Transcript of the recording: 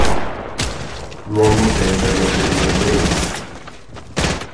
L'uomo tenta di aggredire Grace.